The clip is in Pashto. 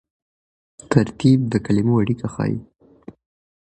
ترکیب د کلیمو اړیکه ښيي.